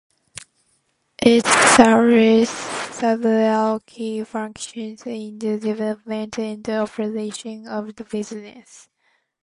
It serves several key functions in the development and operation of a business.